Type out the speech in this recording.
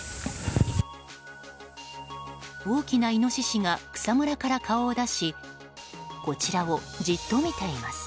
大きなイノシシが草むらから顔を出しこちらをじっと見ています。